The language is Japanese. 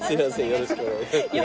よろしくお願いします。